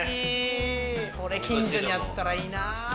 これ近所にあったらいいなぁ。